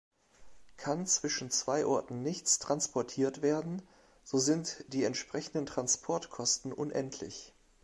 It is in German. Kann zwischen zwei Orten nichts transportiert werden, so sind die entsprechenden Transportkosten unendlich.